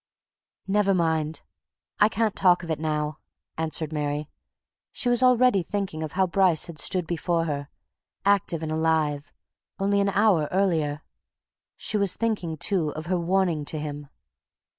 "Never mind; I can't talk of it, now," answered Mary. She was already thinking of how Bryce had stood before her, active and alive, only an hour earlier; she was thinking, too, of her warning to him.